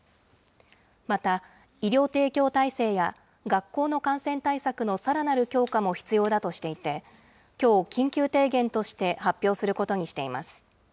また、医療提供体制や学校の感染対策のさらなる強化も必要だとしていて、きょう、緊急提言として発表することにしています。